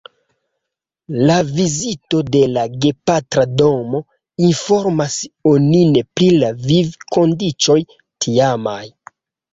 La vizito de la gepatra domo informas onin pri la vivkondiĉoj tiamaj.